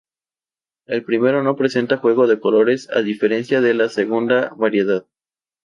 El primero no presenta juego de colores a diferencia de la segunda variedad.